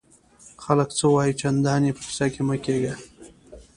خلک څه وایي؟ چندان ئې په کیسه کي مه کېږه!